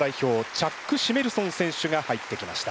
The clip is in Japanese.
チャック・シメルソン選手が入ってきました。